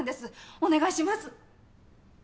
お願いします。